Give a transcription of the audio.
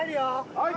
・はい！